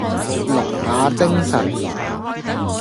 龍馬精神